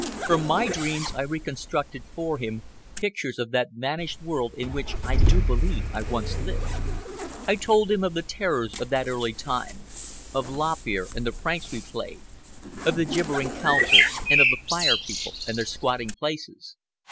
From my dreams I reconstructed for him pictures of that vanished world in which I do believe I once lived. I told him of the terrors of that early time, of Lop Ear and the pranks we played, of the gibbering councils, and of the Fire People and their squatting places.